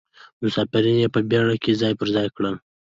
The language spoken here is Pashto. مسافرین یې په بیړه په کې ځای پر ځای کړل.